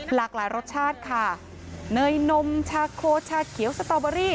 หลากหลายรสชาติค่ะเนยนมชาโครชาเขียวสตอเบอรี่